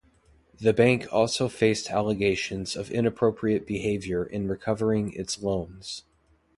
The bank also faced allegations of inappropriate behavior in recovering its loans.